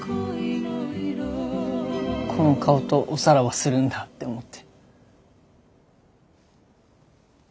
この顔とおさらばするんだって思って。